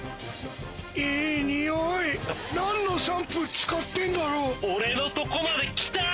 いいにおい何のシャンプー使ってんだろ俺のとこまで来た！